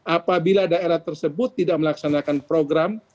apabila daerah tersebut tidak melaksanakan program